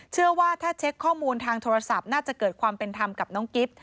เชื่อว่าถ้าเช็คข้อมูลทางโทรศัพท์น่าจะเกิดความเป็นธรรมกับน้องกิฟต์